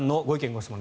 ・ご質問